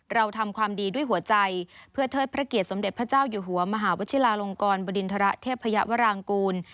เราทำความดีด้วยหัวใจเพื่อเทิดพระเกียรติสมเด็จพระเจ้าอยู่หัวมหาวชิลาลงกรบริณฑระเทพยวรางกูล